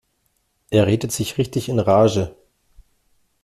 Er redet sich richtig in Rage.